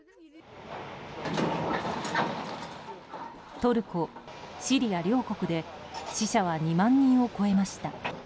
トルコ、シリア両国で死者は２万人を超えました。